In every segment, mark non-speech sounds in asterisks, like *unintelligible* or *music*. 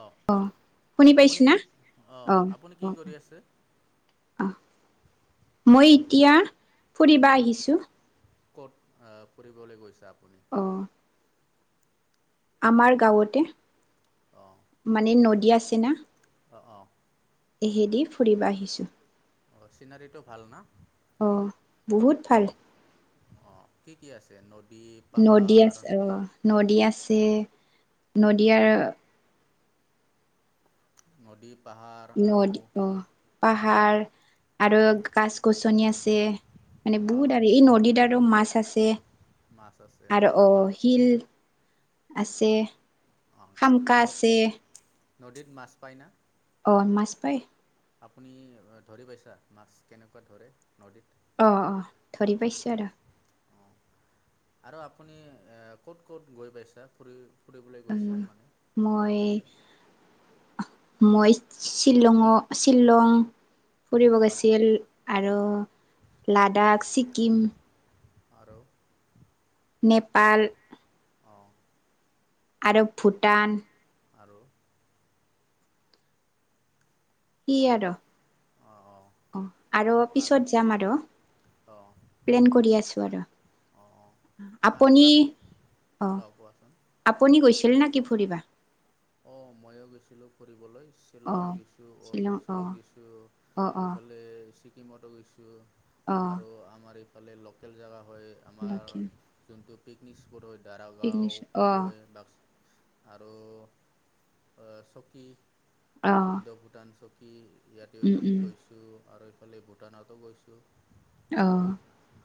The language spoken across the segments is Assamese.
অ' শুনি আপুনি পাইছো না? কি অ' আপুনি কি কৰি আছে? অ' মই এতিয়া ফুৰিবা আহিছো। ক'ত ফুৰিবলৈ গৈছা। অ' আমাৰ গাঁৱতে। অ' মানে নদী আছে না। অ' অ' এহেদি ফুৰিবা আহিছোঁ। অ' চিনাৰীটো ভাল না। অ' বহুত ভাল। অ' কি কি আছে নদী নদী পাহাৰ আছে, অ' নদী আছে, নদী আৰু নদীপ নদী অ' পাহাৰ আৰু গাছ গছনি আছে মানে অঁ বহুত আৰু এই নদীত আৰু মাছ আছে। মাছ আছে আৰু অঁ মা অ' শিল আছে। অঁ শামকা ন আছে। নদীত মাছ পায় না? অ' মাছ পায়। আপুনি ধৰি পাইছা, মাছ কেনেকুৱা ধৰে নদীত। অ' অ' ধৰি পাইছোঁ আৰু। অ' আৰু আপুনি ক'ত ক'ত গৈ পাইছে ফুৰি। ফুৰিবলৈ উম, গৈছা মানে মই আগতে। মই শ্বিলং শ্বিলং। ফুৰিব অঁ গৈছিল আৰু লাডাখ, ছিকিম। আৰু নেপাল অহ' আৰু ভূটান আৰু সি আৰু অঁ অঁ অহ' আৰু আপো পিছত অঁ যাম আৰু অঁ প্লেইন কৰি আছোঁ আৰু আপুনি। অ' কোৱাচোন। আপুনি গৈছিল না কি ফুৰিবা? অ' ময়ো গৈছিলোঁ ফুৰিবলৈ অ শ্বিলংত গৈছো শ্বিলং অ অৰুণাচলত গৈছোঁ অ অ ইফালে এই ছিকিমতো গৈছোঁ অ আৰু আমাৰ ইফালে লোকেল জাগা হয় আমাৰ লখিম যোনটো পিকনিক স্পট হয় পিকনিক দাৰাগাঁও অ কয় বাক্সা আৰু চকী অ ইণ্ডো ভূটান চকী ইয়াতেও উম উম গৈছোঁ। আৰু এইফালে ভূটানতো গৈছোঁ। অহ'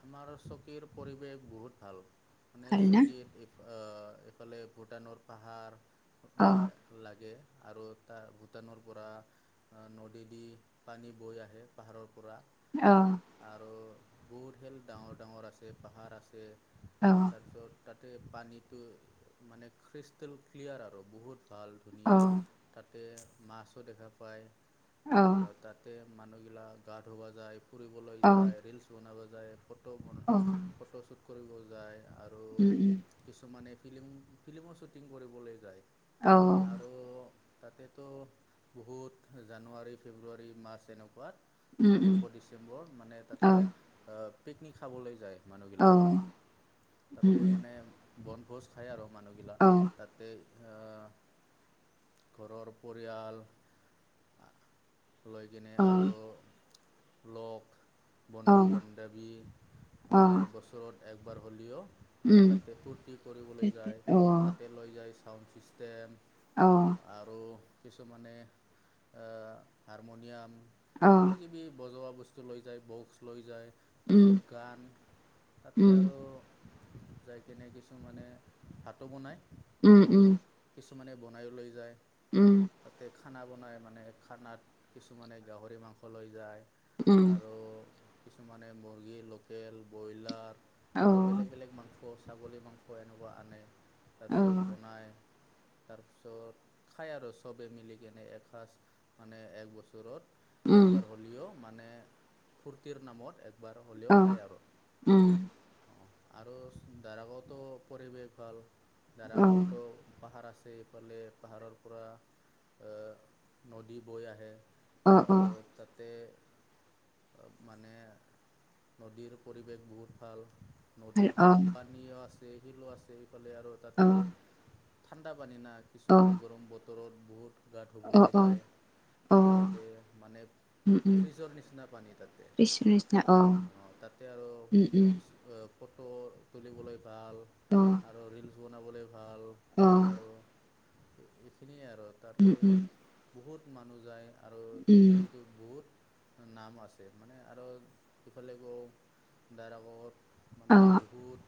আমাৰ চকীৰ পৰিৱেশ বহুত ভাল মানে ভাল না চকীত এইফালে ভূটানৰ পাহাৰ। অ লাগে আৰু তাৰ ভূটানৰ পৰা আ নদী দি পানী বৈ আহে পাহাৰৰ পৰা। অ', আৰু বহুত খেন ডাঙৰ ডাঙৰ আছে, পাহাৰ আছে। অ', তাৰপিছত তাতে পানীটো মানে খ্ৰীষ্টেল ক্লিয়াৰ আৰু বহুত ভাল। ধুনীয়া তাতে মাছো দেখা পায় অ আৰু তাত তাতে মানুহবিলাক গা ধুব যায়, ফুৰিবলৈ যায়, ৰিলচ বনাব যায়, ফটো‌ বনা অহ্। ফটোশ্বুট কৰিব যায় আৰু। উম্, উম্, কিছুমানে ফিল্ম, ফিল্মৰ শ্বুটিং কৰিবলৈ যায়। অ', আৰু তাতেতো বহুত জানুৱাৰী, ফেব্ৰুৱাৰী, মাৰ্চ এনেকুৱাত নৱেম্বৰ-ডিচেম্বৰ মানে তাতে পিকনিক খাবলৈ যায়। মানুহবিলাক তাতে মানে বনভোজ খায় আৰু মানুহবিলাক তাত এই অ', ঘৰৰ পৰিয়াল আ লৈ কিনে আৰু লগ বন্ধু-বন্ধাৱী মানে বছৰত একবাৰ হ'লেও মানে তাতে ফূৰ্তি কৰিবলৈ যায়, তাতে লৈ যায় ছাউণ্ড ছিষ্টেম, অ', আৰু কিছুমানে অ', হাৰমনিয়াম। কিবা-কিবি বজোৱা বস্তু লৈ যায়, বক্স লৈ যায় তাৰপিছত গান তাতে আৰু যাই কিনে কিছুমানে ভাতো বনায়, উম্, উম্। কিছুমানে বনায়ো লৈ যায়, তাতে খা খানা বনাই মানে খানাত কিছুমানে গাহৰি মাংস লৈ যায় আৰু কিছুমানে মুৰ্গী, লোকেল ব্ৰইলাৰ আৰু বেলেগ বেলেগ মাংস অ', ছাগলী মাংস এনেকুৱা আনে তাৰপিছত বনাই, তাৰপিছত খায় আৰু চবেই মিলিকেনে এসাঁজ মানে এক বছৰত। একবাৰ হ'লেও মানে ফুৰ্তিৰ নামত একবাৰ হ'লেও খায় আৰু। অ', আৰু দাৰাগাঁৱতো পৰিৱেশ ভাল দাৰাগাঁৱতো পাহাৰ আছে এইফালে, পাহাৰৰ পৰা নদী বৈ আহে, আৰু তাতে অলপ মানে নদীৰ পৰিৱেশ বহুত ভাল। নদীত পানীও আছে, শিলো আছে, সেইফালে আৰু তাতে ঠাণ্ডা পানী না, কিছুমানে গৰম বতৰত বহুত গা ধুবলৈ যায়। তাতে মানে ফ্ৰীজৰ নিচিনা পানী তাতে, তাত অ', তাতে আৰু কিছু ফটো তুলিবলৈ ভাল আৰু ৰীলচ বনাবলৈ ভাল। তাতে আৰু এইখিনিয়ে আৰু তাতে বহুত মানুহ যায়। আৰু এইটো বহুত নাম আছে মানে আৰু ইফালে কো দাৰাগত মানে বহুত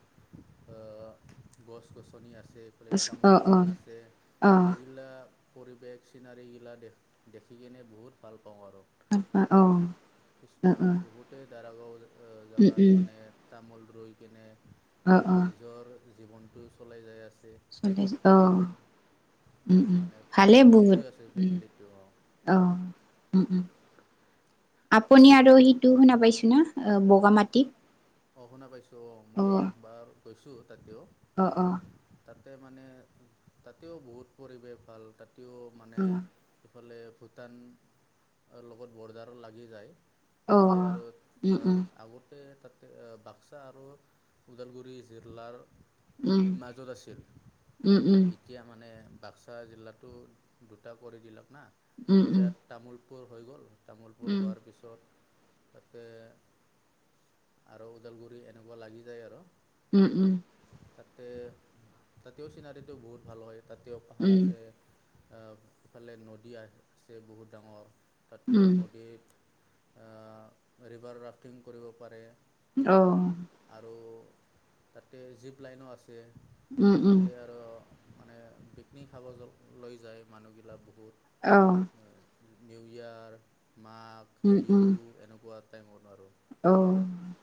অ', গছ-গছনি আছে। তামোল বাগান আছে, সেইবিলাক পৰিৱেশ চিনাৰীগিলা দেখ দেখিকেনে বহুত ভাল পাওঁ আৰু। অ', বহুতেই দাৰাগাঁও অ', জেগাত মানে তামোল ৰুই কেনে নিজৰ জীৱনটোও চলাই যাই আছে। *unintelligible* অ' উম, উম, মানে ভালেই ঘৰখন বহুত পুই আছে উম। ফেমিলিটো অ' উম, উম, আপুনি আৰু সেইটো শুনা পাইছো ন অহ' বগা মাটি। অ' শুনা পাইছোঁ। অ' মইয়ো একবাৰ গৈছোঁ তাতেও। অ' অ'। তাতে মানে তাতেও বহুত পৰিৱেশ ভাল তাতেও মানে অ ইফালে ভূটান লগত বৰ্ডাৰ লাগি যায়। অ ইফালে আৰু উম উম আহ আগতে তাতে বাক্সা আৰু ওদালগুৰি জিলাৰ মাজত আছিল উম উম এতি এতিয়া মানে বাক্সা জিলাতো দুটা কৰি দিলাক না উম উম এতিয়া তামোলপুৰ হৈ গ'ল তামোলপুৰ উম হোৱাৰ পিছত তাতে আৰু ওদালগুৰি এনেকুৱা লাগি যায় আৰু উম, উম। তাতে তাতেও চিনাৰীটো বহুত ভাল হয়, তাতেও উম পাহাৰ আছে। ইফালে নদী আছে বহুত ডাঙৰ তাতে উম নদীত ৰিভাৰ ৰাফটিং কৰিব পাৰে। অ' আৰু তাতে জীপ লাইনো আছে উম উম তাতে আৰু মানে পিকনিক খাব লৈ যায়, মানুহগিলাক বহুত। অহ' নিউ ইয়াৰ মাঘ উম উম বিহু এনেকুৱা টাইমত আৰু। অ'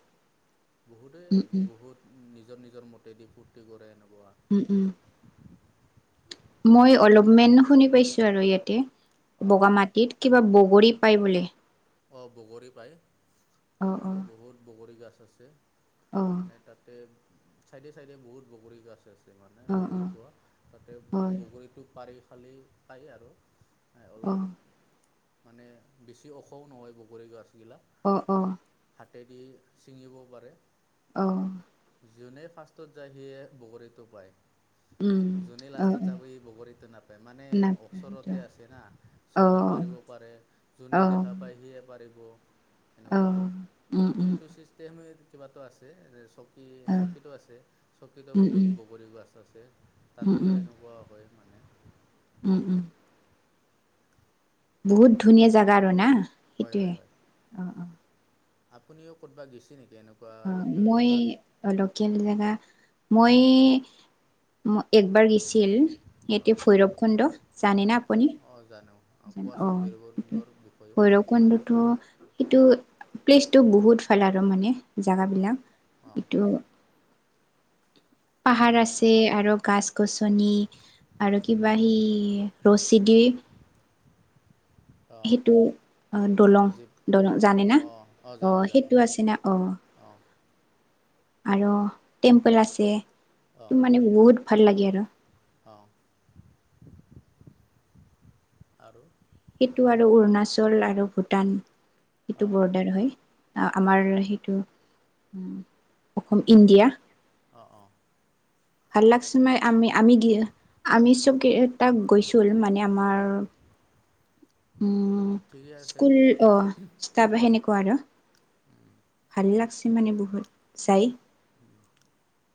বহুতে উম উম বহুত নিজৰ নিজৰ মতেদি ফূৰ্তি কৰে এনেকুৱা। উম, উম। মই অলপ মন শুনি পাইছোঁ আৰু ইয়াতে অঁ বগা মাটি ইত কিবা বগৰী পায় বোলে। অ' বগৰী পায় অ অ তাতেটো বহুত বগৰী গছ আছে। অ মানে তাতে চাইডে চাইডে বহুত বগৰী গাছ আছে মানে অ অ ৰুই থোৱা। তাতে হয় বগৰীটো পাৰি খালি খাই আৰু অ অলপ মানে বেছি অখও নহয় বগৰী গছগিলা অ' অ' হাতেদি ছিঙিব পাৰে। অ' যোনেই ফাৰ্ষ্টত যায়, সিয়ে বগৰীটো পায়। যোনে লাষ্টত যাব বগৰীটো নাপায় মানে ওচৰত আছে না চবেই পাৰিব পাৰে যোনে দেখা পায় সিয়ে পাৰিব এনেকুৱা ইটো ছিষ্টেম কিবাতটো আছে, চকী চকীতো আছে। চকীতো বহুত বগৰী গছ আছে। তাতেও এনেকুৱা হয় মানে। উম, উম। বহুত ধুনীয়া জাগা আৰু না হয়, সেইটোৱে হয়, হয়। অ' অ' আপুনিও ক'ত বা গৈছে নেকি এনেকা। অ' মই অলকিয়াল জেগা মই একবাৰ গৈ গৈছিল ইয়াতে অঁ ভৈৰৱ কোন্দ জানানে অঁ আপুনি অঁ অ' ভৈ গোন্ধতো সেইটো প্লেচটো বহুত ভাল আৰু মানে অঁ জোগাবিলাক অঁ ইটো। পাহাৰ অঁ আছে আৰু গছ-গছনি, আৰু কিবা সেই ৰছী দি *unintelligible* সেইটো অ', দলং জীপ দলং জানে অঁ না, অঁ অঁ জানো অ', জানো সেইটো আছে না অ', অঁ আৰু টেম্পল আছে, তোমাৰ মানে বহুত ভাল লাগে আৰু। অ', আৰু সেইটো আৰু অৰুণাচল আৰু ভূটান, সেইটো অঁ বৰ্ডাৰ হয়। আমাৰ সেইটো, অসম ইণ্ডিয়া। অ', অ', ভাল লাগ ছে আমি, আমি আমি চব ক তাক গৈছোঁ, মানে আমাৰ অঁ উম্, অঁ ঠিকে আছে স্কুল অ', ষ্টাফ সেনেকুৱা আৰু। ভাল লাগছে, মানে বহুত চাই।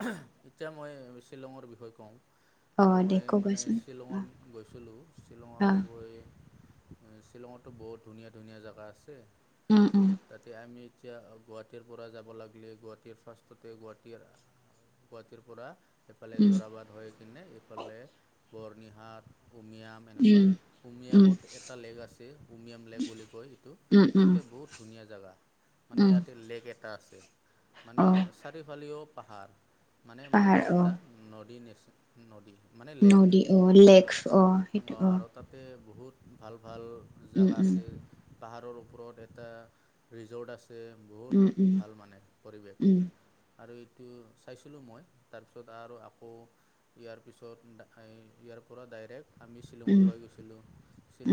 এতিয়া মই শ্বিলঙৰ বিষয়ে কওঁ। অ দে মই মানে ক'বাচোন শ্বিলঙত গৈছিলোঁ, শ্বিলঙত অ গৈ শ্বিলঙতো বহুত ধুনীয়া ধুনীয়া জেগা আছে। উম্, উম্, তাতে আমি এতিয়া গুৱাহাটীৰ পৰা যাব লাগিলে, গুৱাহাটীৰ ফাৰ্ষ্ট গোটে গুৱাহাটীৰ, গুৱাহাটীৰ পৰা এফালে উম জৰাবাদ হৈ কিনে ফালে বৰনিহাট, উমিয়াম, এনেকুৱা উম উম হুমিয়ামত এটা লেক আছে, হোমিয়াম লেক বুলি কয় সেইটো, উম উম তাতে বহুত ধুনীয়া জেগা, মানে উম ইয়াতে লেক এটা আছে, মানে অ চাৰিওফালেও পাহাৰ, মানে পাহাৰ মাজত অ এটা নদী নেচ নদী, মানে লেক নদী অ লেক অ সেইটো অ আৰু তাতে বহুত ভাল ভাল উম জেগা উম আছে। পাহাৰৰ ওপৰত এটা ৰিজৰ্ট আছে, উম বহুত উম ভাল মানে পৰিৱেশ। উম আৰু এইটো চাইছিলোঁ মই, তাৰপিছত আৰু আকৌ ইয়াৰ পিছত নাখাই, ইয়াৰ পৰা ডাইৰেক্ট, আমি শ্বিলঙ উম লৈ গৈছিলোঁ,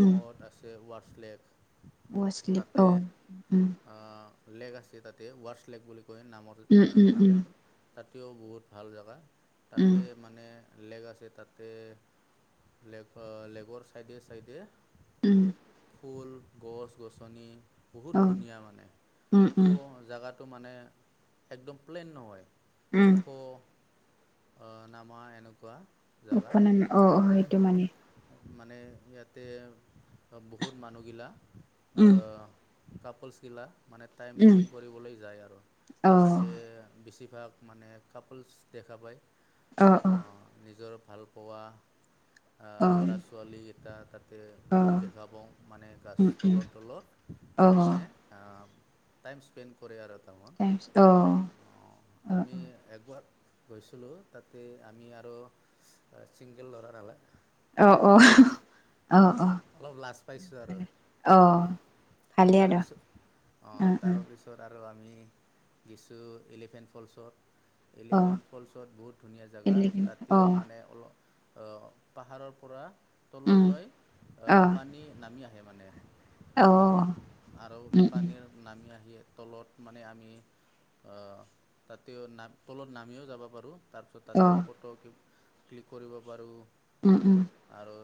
উম আছে ৱাৰছ লেক ৱাছলিপ তাতে অ উম লেগ আছে তাতে, ৱাৰ্ছ লেগ বুলি কৈ নামৰ উম উম নামটো, তাতেও বহুত ভাল জেগা উম তাতে। মানে লেগ আছে তাতে, লেগ লেগৰ চাইডে চাইডে উম্, ফুল, গছ-গছনি বহুত অ ধুনীয়া মানে, উম সেইটো উম জেগাটো মানে, একদম প্লেইন নহয়, উম ওখ নামা এনেকুৱা, জাগা, উপনাম অ অ সেইটো মানে মানে ইয়াতে বহুত মানুহগিলা উম অ', কাপোলছ গিলা মানে টাইম উম স্পেণ্ড কৰিবলৈ যায় আৰু। অ তাতে বেছিভাগ মানে কাপোলছ দেখা পায়। অ', নিজৰ ভালপোৱা, অ ল'ৰা ছোৱালীকেইটা তাত তাত অ বহুত দেখা পাওঁ, মানে গছ উম উম তলত তলত অ মানে টাইম স্পেণ্ড কৰেয আৰু টামাম। অ', অ', আমি একবাৰ, গৈছিলোঁ, তাতে আমি আৰু ছিংগল ল'ৰাৰ নালা অ', অ', অ', অলপ লাজ পাইছোঁ আৰু অ', ভালে আৰু তাৰপিছত, অ', তাৰপিছত আৰু আমি। গৈছোঁ এলিফেণ্ট ফল্চত। অ', এলিফেণ্ট ফল্চত বহুত ধুনীয়া জেগা, অ', তাতেও অ', মানে অলপ পাহাৰৰ পৰা উম, তললৈ অ', পানী নামি আহে মানে। অ', আৰু উম, উম, পানীৰ নামি আহিয়ে তলত মানে আমি। তাতেও নাম তলত নামিও যাব পাৰোঁ। তাৰপিছত তাতে অ', ফটো ক্লিক কৰিব পাৰোঁ। উম, উম। আৰু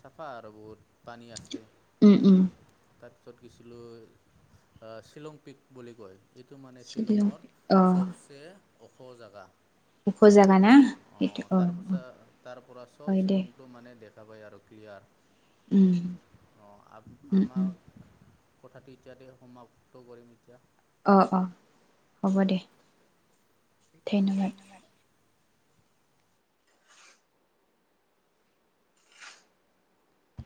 চাফা আৰু বহুত পানী আছে। উম, উম। তাৰপিছত গৈছিলোঁ শ্বিলং পিক বুলি কয়। যিটো টো মানে শ্বিলং চবচে ওখ জেগা। উখ জাগা না। সেইটো অ' তাৰপিছ অ', তাৰ পৰা চ'ব হয় দে শ্বিলংটো মানে দেখা পায় আৰু উম, ক্লিয়াৰ। অ' আ উম, উম, আমাৰ কথাটি এতিয়াতে সমাপ্ত কৰিম এতিয়া। অ' অ' হ'ব দে। ধন্যবাদ। ঠেঙচ *unintelligible*